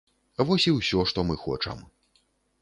Вось і ўсё, што мы хочам.